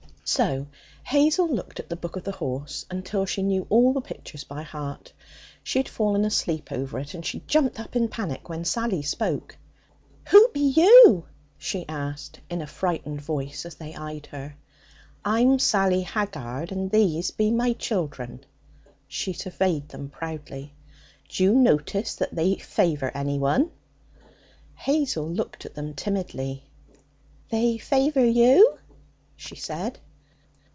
So Hazel looked at the 'Book of the Horse' until she knew all the pictures by heart. She had fallen asleep over it, and she jumped up in panic when Sally spoke. 'Who be you?' she asked in a frightened voice as they eyed her. 'I'm Sally Haggard and these be my children.' She surveyed them proudly. 'D'you notice that they favour anyone?' Hazel looked at them timidly. 'They favour you,' she said.